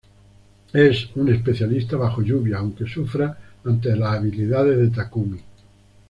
Es un especialista bajo lluvia aunque sufra ante las habilidades de Takumi.